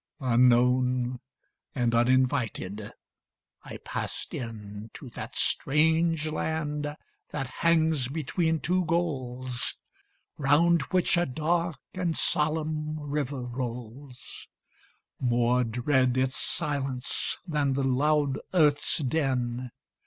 Unknown and uninvited I passed in To that strange land that hangs between two goals, Round which a dark and solemn river rolls More dread its silence than the loud earth's din.